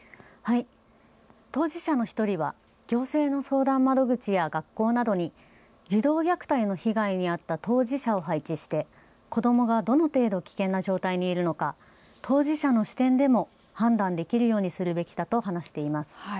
当事者の１人は行政の相談窓口や学校などに児童虐待の被害に遭った当事者を配置して子どもがどの程度、危険な状態にいるのか、当事者の視点でも判断できるようにするべきだと話しています。